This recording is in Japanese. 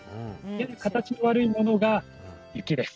形の悪いものが雪です。